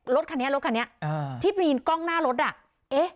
รถคันเนี้ยรถคันเนี้ยอ่าที่มีกล้องหน้ารถอ่ะเอ๊ะ